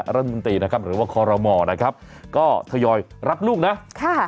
รัฐมนตรีนะครับหรือว่าคอรมอนะครับก็ทยอยรับลูกนะค่ะ